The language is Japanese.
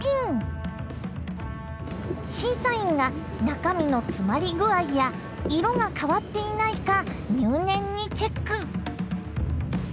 審査員が中身の詰まり具合や色が変わっていないか入念にチェック！